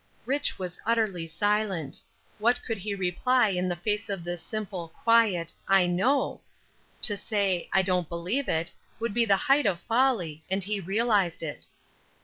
Rich. was utterly silent. What could he reply in the face of this simple, quiet "I know?" To say, "I don't believe it," would be the height of folly, and he realized it.